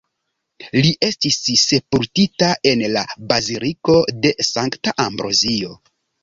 Li estis sepultita en la Baziliko de Sankta Ambrozio.